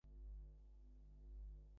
বিনয় কহিল, বাঃ, কী চমৎকার!